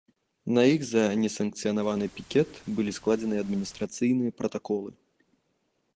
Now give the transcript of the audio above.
На іх за несанкцыянаваны пікет былі складзеныя адміністрацыйныя пратаколы.